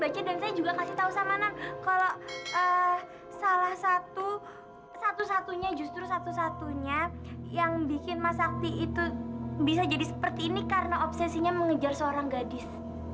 waktu itu baca dan saya juga kasih tahu sama non kalau salah satu satu satunya justru satu satunya yang bikin mas sakti itu bisa jadi seperti ini karena obsesinya mengejar seorang gadis